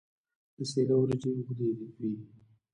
د سیله وریجې اوږدې وي.